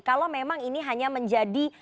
kalau memang ini hanya menjadi aturan saja